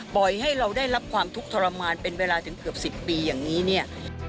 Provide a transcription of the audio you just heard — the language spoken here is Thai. ปล่อยให้เราได้รับความทุกข์ทรมานเป็นเวลาถึงเกือบ๑๐ปีอย่างนี้เนี่ย